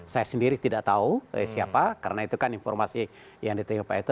saya sendiri tidak tahu siapa karena itu kan informasi yang diterima pak eto